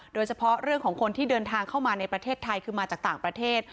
โดยเฉพาะเรื่องของคนที่เดินทางเข้ามาในประเทศไทยคือมาจากต่างประเทศ